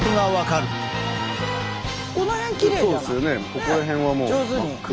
ここら辺はもう真っ黒。